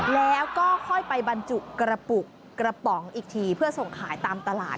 แล้วก็ค่อยไปบรรจุกระปุกกระป๋องอีกทีเพื่อส่งขายตามตลาด